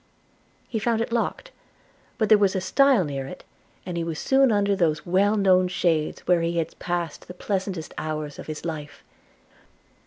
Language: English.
He found it locked; but there was a stile near it, and he was soon under those well known shades where he had passed the pleasantest hours of his life.